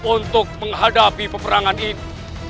untuk menghadapi peperangan ini